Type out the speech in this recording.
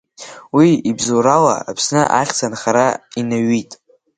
Уи ибзоурала, Аԥсны ахьӡ ахара инаҩит.